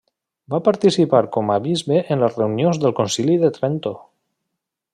Va participar com a bisbe en les reunions del Concili de Trento.